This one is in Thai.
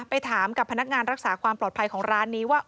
ไปถามกับพนักงานรักษาความปลอดภัยของร้านนี้ว่า